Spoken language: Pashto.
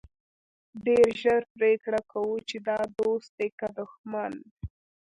ډېر ژر پرېکړه کوو چې دا دوست دی که دښمن.